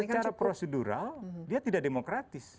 secara prosedural dia tidak demokratis